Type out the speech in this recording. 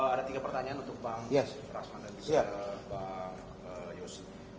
ada tiga pertanyaan untuk bang rasman dan bang yosi